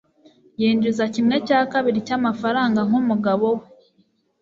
yinjiza kimwe cya kabiri cyamafaranga nkumugabo we